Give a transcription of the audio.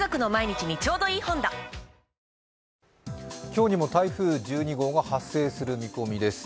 今日にも台風１２号が発生する見込みです。